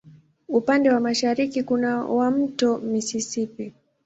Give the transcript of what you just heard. Upande wa mashariki kuna wa Mto Mississippi.